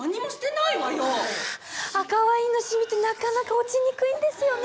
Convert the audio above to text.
ああ赤ワインのシミってなかなか落ちにくいんですよね。